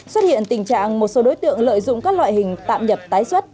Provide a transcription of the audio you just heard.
xuất hiện tình trạng một số đối tượng lợi dụng các loại hình tạm nhập tái xuất